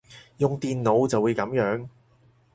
用電腦就會噉樣